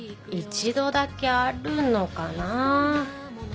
１度だけあるのかな。